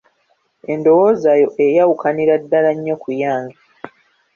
Endowooza yo eyawukanira ddala nnyo kuyange.